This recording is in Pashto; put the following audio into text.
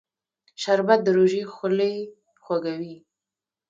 شربت د روژې خولې خوږوي